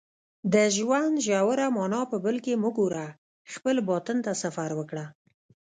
د ژوند ژوره معنا په بل کې مه ګوره خپل باطن ته سفر وکړه